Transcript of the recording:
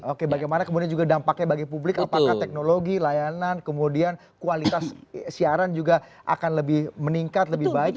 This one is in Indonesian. oke bagaimana kemudian juga dampaknya bagi publik apakah teknologi layanan kemudian kualitas siaran juga akan lebih meningkat lebih baik